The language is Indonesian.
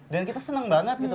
dan kita seneng banget gitu